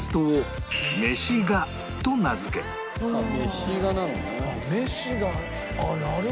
飯画なのね。